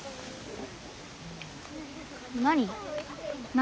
何？